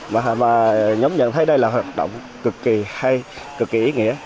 mà nhóm nhận thấy đây là hoạt động cực kỳ hay cực kỳ ý nghĩa